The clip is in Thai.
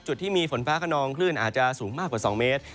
จุดที่มีฝนฟ้าขนองคลื่นอาจจะสูงมากกว่า๒เมตร